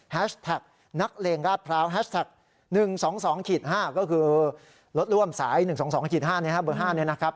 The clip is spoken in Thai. แท็กนักเลงราชพร้าวแฮชแท็ก๑๒๒๕ก็คือรถร่วมสาย๑๒๒๕เบอร์๕เนี่ยนะครับ